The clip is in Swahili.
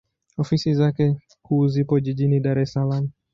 Ofisi zake kuu zipo Jijini Dar es Salaam.